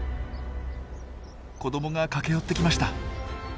子どもが駆け寄ってきました。